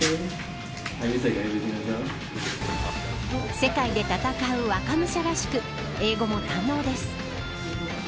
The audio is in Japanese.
世界で戦う若武者らしく英語も堪能です。